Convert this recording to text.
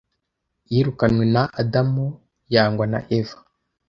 yirukanwe na adamu yangwa na eva